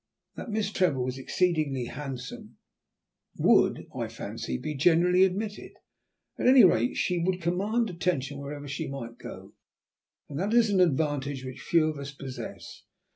That Miss Trevor was exceedingly handsome would, I fancy, be generally admitted. At any rate she would command attention wherever she might go, and that is an advantage which few of us possess.